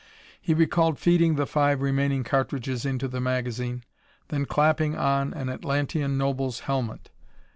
He recalled feeding the five remaining cartridges into the magazine, then clapping on an Atlantean noble's helmet.